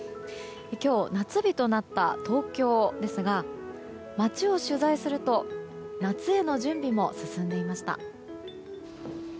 今日、夏日となった東京ですが街を取材すると夏への準備も進んでいました。